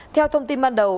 theo thông tin ban đầu